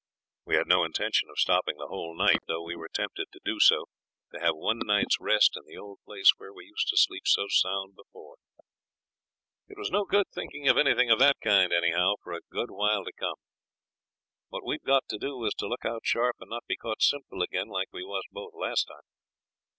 We had no intention of stopping the whole night, though we were tempted to do so to have one night's rest in the old place where we used to sleep so sound before. It was no good thinking of anything of that kind, anyhow, for a good while to come. What we'd got to do was to look out sharp and not be caught simple again like we was both last time.